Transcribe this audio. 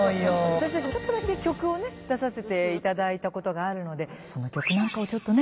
私たちちょっとだけ曲をね出させていただいたことがあるのでその曲なんかをちょっとね。